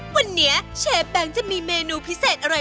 วันนี้เชฟแบงค์จะมีเมนูพิเศษอะไร